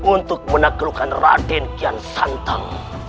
untuk menaklukkan raden kian tantang